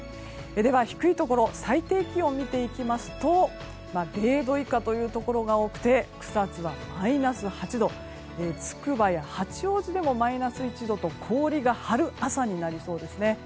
では低いところ最低気温を見ていきますと０度以下というところが多くて草津はマイナス８度つくばや八王子でもマイナス１度と氷が張る朝になりそうですね。